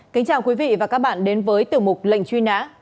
kính chào quý vị và các bạn đến với tiểu mục lệnh truy nã